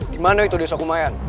gimana itu desa kemayan